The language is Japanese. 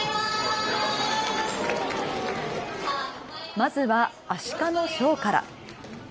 まずはアシカのショーから。